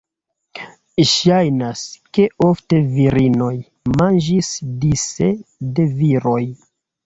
Ŝajnas, ke ofte virinoj manĝis dise de viroj.